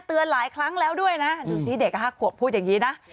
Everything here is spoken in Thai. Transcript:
เตือนหลายครั้งแล้วด้วยน่ะดูสิเด็กอ่ะห้าขวบพูดอย่างงี้น่ะ